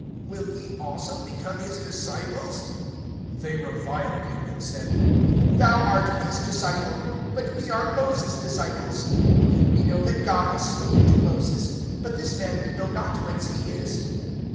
Will ye also become his disciples? (28)They reviled him, and said: Thou art his disciple; but we are Moses' disciples. (29)We know that God has spoken to Moses; but this man we know not, whence he is.